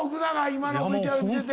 今のＶＴＲ見てて。